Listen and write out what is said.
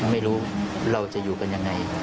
ไม่รู้เราจะอยู่กันยังไง